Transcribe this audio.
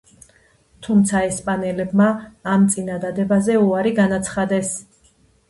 თუმცა ესპანელებმა ამ წინადადებაზე უარი განაცხადეს.